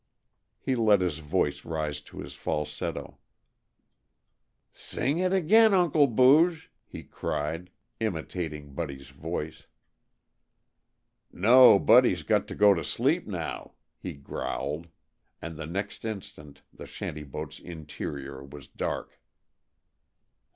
He let his voice rise to his falsetto. "Sing it again, Uncle Booge!" he cried, imitating Buddy's voice. "No, Buddy's got to go to sleep now," he growled and the next instant the shanty boat's interior was dark.